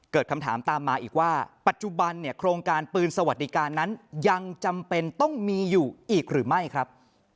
เกิดคำถามตามมาอีกว่าปัจจุบันเนี่ยโครงการปืนสวัสดิการนั้นยังจำเป็นต้องมีอยู่อีกหรือไม่ครับ